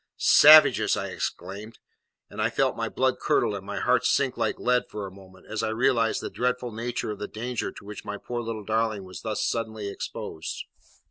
"Savages!" I exclaimed, and I felt my blood curdle and my heart sink like lead for a moment, as I realised the dreadful nature of the danger to which my poor little darling was thus suddenly exposed.